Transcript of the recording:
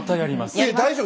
いや大丈夫？